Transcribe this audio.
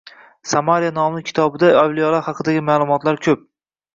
Samariya nomli kitobida avliyolar haqidagi ma’lumotlar ko‘p